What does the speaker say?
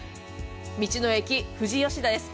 道の駅・富士吉田です。